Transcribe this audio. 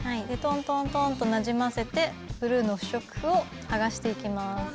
でトントントンとなじませてブルーの不織布を剥がしていきます。